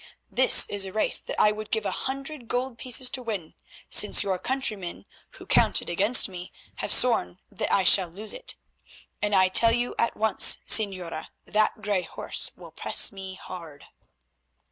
This is a race that I would give a hundred gold pieces to win, since your countrymen, who contend against me, have sworn that I shall lose it, and I tell you at once, Señora, that grey horse will press me hard."